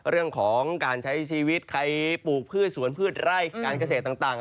เรื่องของการใช้ชีวิตใครปลูกพืชสวนพืชไร่การเกษตรต่าง